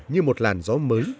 như một làn gió mới